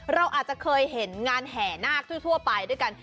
เราอาจจะเคยเห็นงานแห่นาคทั่วไปด้วยกัน